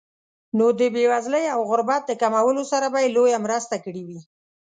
نو د بېوزلۍ او غربت د کمولو سره به یې لویه مرسته کړې وي.